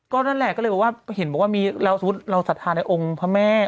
นั่นแหละก็เลยบอกว่าเห็นบอกว่ามีแล้วสมมุติเราศรัทธาในองค์พระแม่